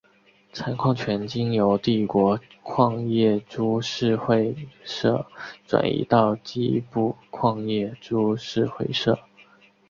采矿权经由帝国矿业株式会社转移到矶部矿业株式会社。